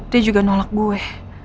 dia juga nolak gue